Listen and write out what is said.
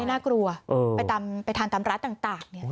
อันนี้น่ากลัวไปทานตามร้านต่างเนี่ย